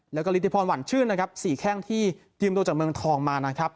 แล้วก็ฤทธิพรหวั่นชื่นนะครับ๔แข้งที่ยืมตัวจากเมืองทองมานะครับ